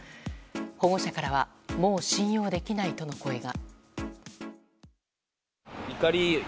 保護者からはもう信用できないとの声が。